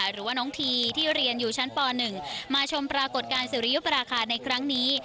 หรือว่าน้องทีที่เรียนอยู่ชั้นป๑มาชมปรากฏการณ์สุริยุปราคาในครั้งนี้